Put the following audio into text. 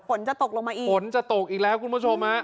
ฝนจะตกลงมาอีกฝนจะตกอีกแล้วคุณผู้ชมฮะ